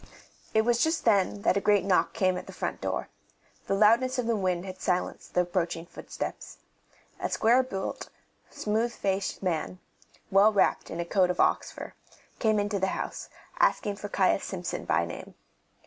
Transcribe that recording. It was just then that a great knock came at the front door; the loudness of the wind had silenced the approaching footsteps. A square built, smooth faced man, well wrapped in a coat of ox fur, came into the house, asking for Caius Simpson by name.